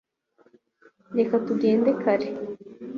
reka tugende kare